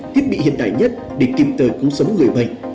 thiết bị hiện đại nhất để kịp thời cứu sống người bệnh